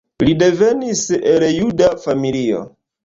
Li devenis el juda familio.